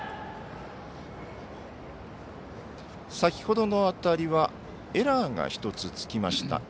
先ほどの当たりはエラーが１つつきました。